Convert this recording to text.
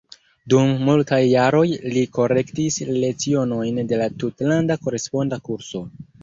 Dum multaj jaroj li korektis lecionojn de la tutlanda koresponda kurso.